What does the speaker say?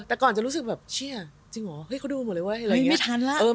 แต่ก่อนจะรู้สึกว่าเขาดูหมดเลยเว้ย